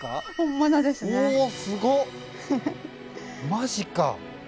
マジか！